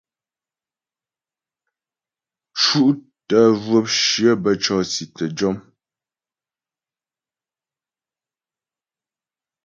Cútə zhwəpshyə bə́ cɔ̀si tə́ jɔm.